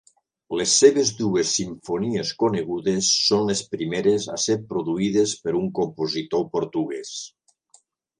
Les seves dues simfonies conegudes són les primeres a ser produïdes per un compositor portuguès.